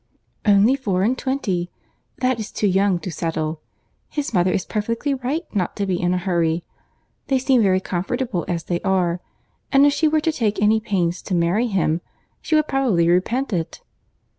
"Only four and twenty. That is too young to settle. His mother is perfectly right not to be in a hurry. They seem very comfortable as they are, and if she were to take any pains to marry him, she would probably repent it.